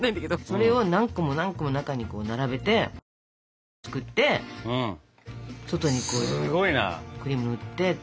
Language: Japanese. それを何個も何個も中に並べて台を作って外にクリーム塗ってって。